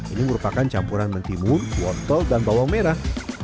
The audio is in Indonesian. ini merupakan campuran mentimun wontol dan bawang merah